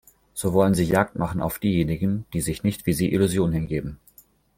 So wollen Sie Jagd machen auf diejenigen, die sich nicht wie Sie Illusionen hingeben!